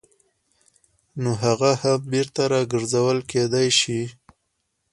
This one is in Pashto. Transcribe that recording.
نو هغه هم بېرته راګرځول کېدای شي.